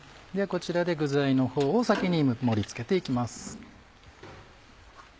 こちらで具材のほうを先に盛り付けて行きます。